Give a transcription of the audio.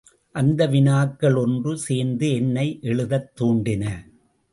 அந்த வினாக்கள் ஒன்று சேர்ந்து என்னை எழுதத் தூண்டின.